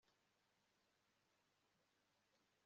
uzuka mu muzuko wa mbere arahirwa w kandi ni uwera